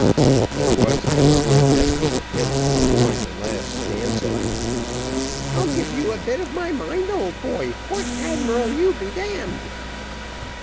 There was, however, a desperate attempt to avoid the last stanza. "I'll give you a bit of my mind, old boy, Port Admiral, you be d d."